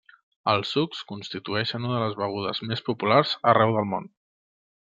Els sucs constitueixen una de les begudes més populars arreu del món.